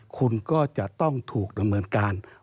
คุณก็จะต้องถูกดำเนินการ